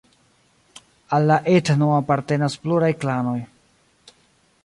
Al la etno apartenas pluraj klanoj.